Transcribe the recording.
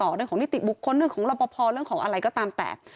เรื่องของนิติบุคคลเรื่องของรอปภเรื่องของอะไรก็ตามแต่